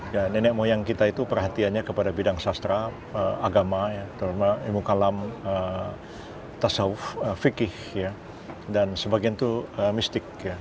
ya nenek moyang kita itu perhatiannya kepada bidang sastra agama terutama ilmu kalam tasawuf fikih dan sebagian itu mistik